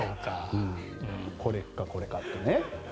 これかこれかというね。